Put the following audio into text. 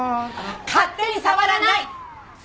勝手に触らない！